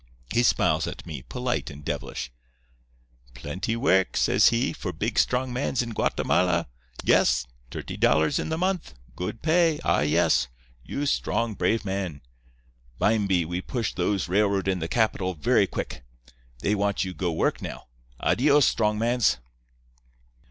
He smiles at me polite and devilish. 'Plenty work,' says he, 'for big, strong mans in Guatemala. Yes. T'irty dollars in the month. Good pay. Ah, yes. You strong, brave man. Bimeby we push those railroad in the capital very quick. They want you go work now. Adios, strong mans.